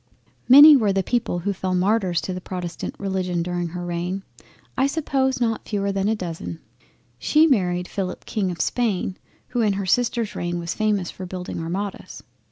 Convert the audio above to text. Many were the people who fell martyrs to the protestant Religion during her reign; I suppose not fewer than a dozen. She married Philip King of Spain who in her sister's reign was famous for building Armadas.